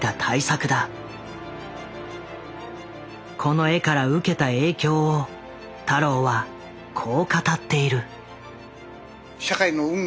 この絵から受けた影響を太郎はこう語っている。